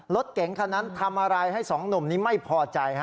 รถเก๋งคันนั้นทำอะไรให้สองหนุ่มนี้ไม่พอใจ